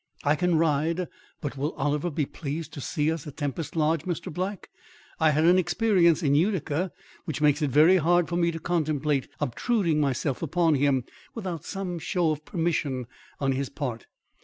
"I can ride, but will Oliver be pleased to see us at Tempest Lodge. Mr. Black, I had an experience in Utica which makes it very hard for me to contemplate obtruding myself upon him without some show of permission on his part.